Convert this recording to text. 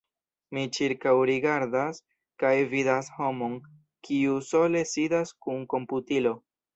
Mi ĉirkaŭrigardas, kaj vidas homon, kiu sole sidas kun komputilo.